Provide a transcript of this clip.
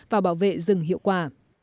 cho rừng hiệu quả